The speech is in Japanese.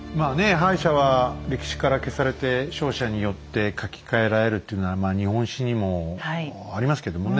敗者は歴史から消されて勝者によって書き換えられるっていうのはまあ日本史にもありますけどもね